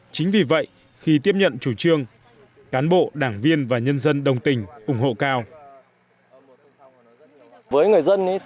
chính vì vậy khi tiếp nhận chủ trương cán bộ đảng viên và nhân dân đồng tình ủng hộ cao